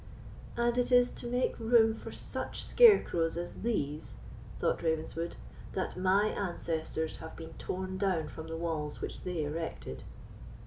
"And it is to make room for such scarecrows as these," thought Ravenswood, "that my ancestors have been torn down from the walls which they erected!"